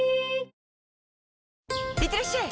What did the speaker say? いってらっしゃい！